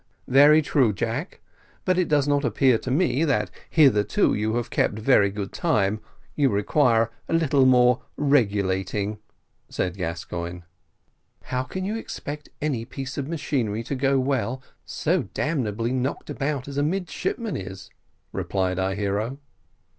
"Very true, Jack; but it does not appear to me, that, hitherto, you have kept very good time: you require a little more regulating," said Gascoigne. "How can you expect any piece of machinery to go well, so damnably knocked about as a midshipman is?" replied our hero.